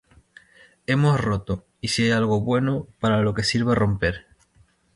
hemos roto, y si hay algo bueno para lo que sirva romper